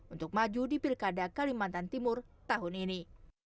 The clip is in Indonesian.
untuk maju di pilkada kalimantan timur tahun ini